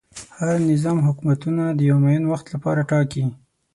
هر نظام حکومتونه د یوه معین وخت لپاره ټاکي.